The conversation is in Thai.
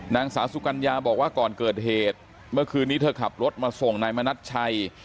นางสาวสุกัญญาบอกว่าก่อนเกิดเหตุเมื่อคืนนี้เธอขับรถมาส่งนายมณัชชัย